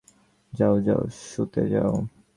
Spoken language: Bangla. যাও যাও, শুতে যাও।